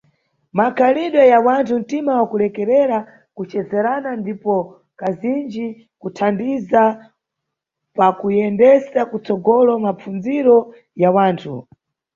Makhalidwe ya wanthu, ntima wa kulekerera, kucezerana ndipo, kazinji, kuthandiza pakuyendesa kutsogolo mapfundziro ya wanthu.